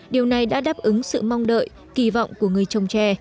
điều này đã đáp ứng sự mong đợi kỳ vọng của người trồng trè